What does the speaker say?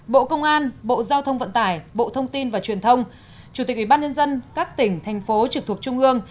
bộ công an bộ giao thông vận tải bộ thông tin và truyền thông chủ tịch ubnd các tỉnh thành phố trực thuộc trung ương